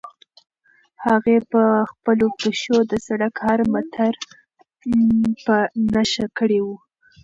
هغه په خپلو پښو د سړک هر متر په نښه کړی و.